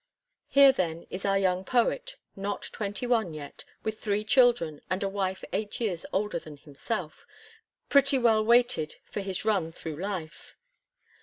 Here, then, is our young poet, not twenty one, yet with three children, and a wife eight years older than himself, pretty well weighted for his run thru life.